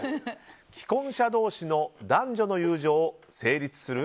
既婚者同士の男女の友情成立する？